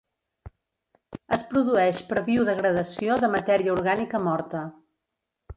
Es produeix per biodegradació de matèria orgànica morta.